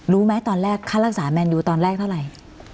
รู้ไหมตอนแรกค่ารักษาแมนยูตอนแรกเท่าไหร่